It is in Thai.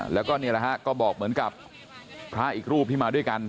แล้วก็นี่แหละฮะก็บอกเหมือนกับพระอีกรูปที่มาด้วยกัน